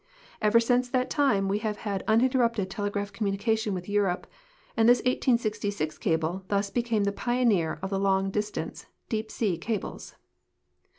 Ever since that time we have had uninterrupted telegraphic connection Avith Europe, and this 1866 cable thus became the pioneer of the long distance, deep sea cables.